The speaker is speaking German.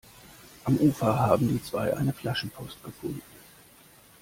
Am Ufer haben die zwei eine Flaschenpost gefunden.